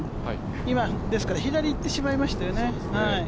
今、左いってしまいましたよね。